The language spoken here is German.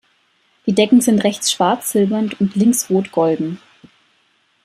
Die Decken sind rechts schwarz silbern und links rot-golden.